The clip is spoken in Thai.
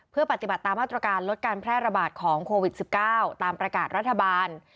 เพื่อปฏิบัติตามมาตรการลดการแพร่ระบาดของโควิด๑๙ตามประกาศรัฐบาล